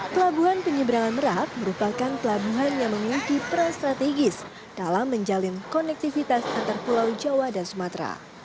pelabuhan penyeberangan merak merupakan pelabuhan yang memiliki peran strategis dalam menjalin konektivitas antar pulau jawa dan sumatera